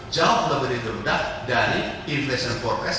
jauh lebih rendah dari influencer forecast